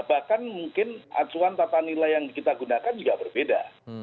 bahkan mungkin acuan tata nilai yang kita gunakan juga berbeda